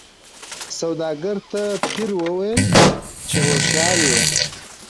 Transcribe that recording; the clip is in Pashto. سوداګر ته پیر ویله چي هوښیار یې